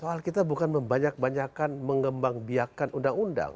soal kita bukan membanyak banyakan mengembang biakan undang undang